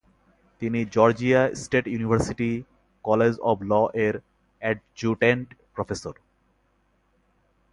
তিনি Georgia State University College of ল-এর adjutant professor.